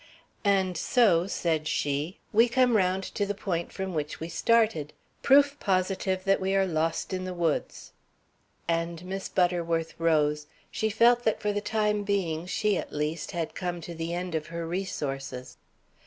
"And so," said she, "we come around to the point from which we started proof positive that we are lost in the woods." And Miss Butterworth rose. She felt that for the time being she, at least, had come to the end of her resources. Mr.